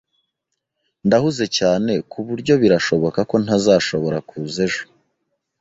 Ndahuze cyane kuburyo birashoboka ko ntazashobora kuza ejo.